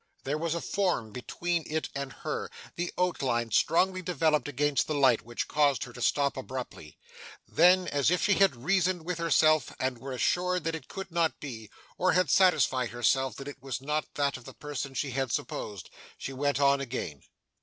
There was a form between it and her, the outline strongly developed against the light, which caused her to stop abruptly. Then, as if she had reasoned with herself and were assured that it could not be, or had satisfied herself that it was not that of the person she had supposed, she went on again.